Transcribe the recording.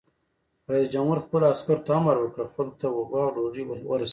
رئیس جمهور خپلو عسکرو ته امر وکړ؛ خلکو ته اوبه او ډوډۍ ورسوئ!